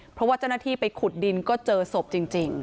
เพราะว่าเจ้าหน้าที่ไปขุดดินก็เจอศพจริง